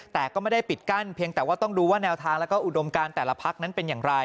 แต่ก็ไม่ได้ปิดกั้นเพียงแต่ว่าต้องดูว่าแนวทางแล้วก็อุดมการแต่ละพักนั้นเป็นอย่างไร